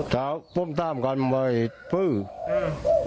ถามพุ่มตามกันไว้พื้น